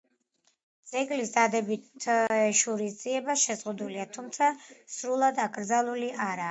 ძეგლის დადებით შურისძიება შეზღუდულია, თუმცა სრულად აკრძალული არაა.